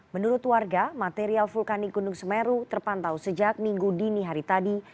menurut warga material vulkanik gunung semeru terpantau sejak minggu dini hari tadi